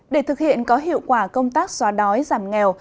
để thực hiện có hiệu quả công tác xóa đói giảm nghèo